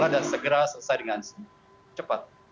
dan segera selesai dengan cepat